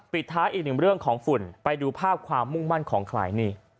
ปิดท้ายอีกหนึ่งเรื่องของฝุ่นไปดูภาพความมุ่งมั่นของใครนี่